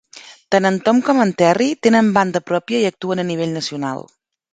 Tant en Tom com en Terry tenen banda pròpia i actuen a nivell nacional.